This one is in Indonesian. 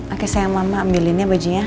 oke sayang mama ambilin ya bajunya